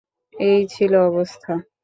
এই ছিল অবস্থা।